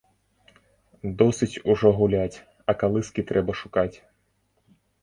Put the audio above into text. Досыць ужо гуляць, а калыскі трэба шукаць.